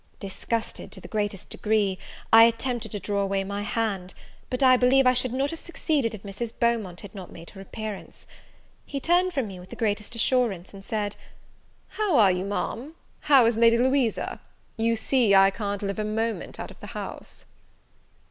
Disgusted to the greatest degree, I attempted to draw away my hand; but I believe I should not have succeeded if Mrs. Beaumont had not made her appearance. He turned from me with the greatest assurance, and said, "How are you, Ma'am? how is Lady Louisa? you see I can't live a moment out of the house."